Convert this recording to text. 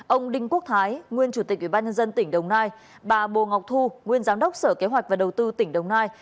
ông đinh quốc thái nguyên chủ tịch ủy ban nhân dân tỉnh đồng nai bà bồ ngọc thu nguyên giám đốc sở kế hoạch và đầu tư tỉnh đồng nai